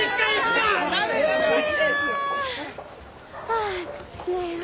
あっついわ。